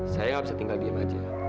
saya gak bisa tinggal diam aja